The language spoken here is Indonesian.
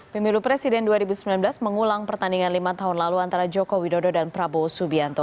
pemilu presiden dua ribu sembilan belas mengulang pertandingan lima tahun lalu antara joko widodo dan prabowo subianto